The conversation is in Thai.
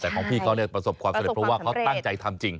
แต่ของพี่เขาประสบความสำเร็จเพราะว่าเขาตั้งใจทำจริง